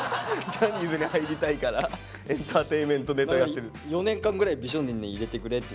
ジャニーズに入りたいからエンターテインメントネタやってる。